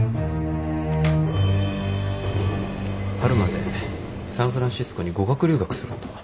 春までサンフランシスコに語学留学するんだ。